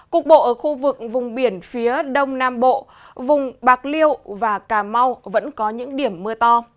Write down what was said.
cục bộ ở khu vực vùng biển phía đông nam bộ vùng bạc liêu và cà mau vẫn có những điểm mưa to